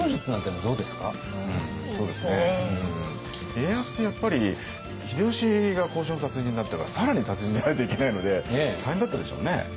家康ってやっぱり秀吉が交渉の達人だったから更に達人じゃないといけないので大変だったでしょうね。